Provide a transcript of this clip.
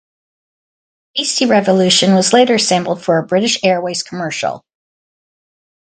"Beastie Revolution" was later sampled for a British Airways commercial.